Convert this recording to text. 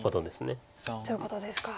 ということですか。